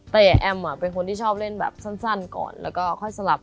แต่แอมเป็นคนที่ชอบเล่นแบบสั้นก่อนแล้วก็ค่อยสลับ